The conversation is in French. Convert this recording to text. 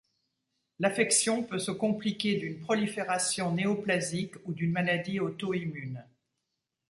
L'affection peut se compliquer d'une prolifération néoplasique ou d'une maladie auto-immune.